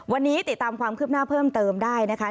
วันนี้ติดตามความคืบหน้าเพิ่มเติมได้นะคะ